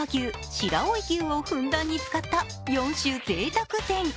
白老牛をふんだんに使った四種贅沢膳。